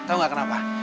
tau gak kenapa